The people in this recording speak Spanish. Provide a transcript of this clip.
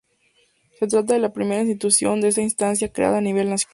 Se trata de la primera institución de esta instancia creada a nivel nacional.